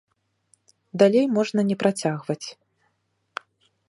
Далей можна не працягваць.